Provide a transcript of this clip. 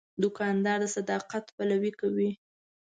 دوکاندار د صداقت پلوي کوي.